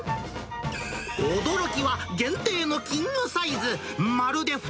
驚きは限定のキングサイズ。